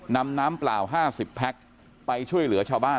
น้ำเปล่า๕๐แพ็คไปช่วยเหลือชาวบ้าน